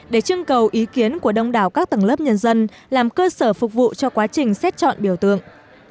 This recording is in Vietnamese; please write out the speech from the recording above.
để trưng cầu ý kiến của đông đảo các tầng lớp nhân dân làm cơ sở phục vụ cho quá trình xét chọn biểu tượng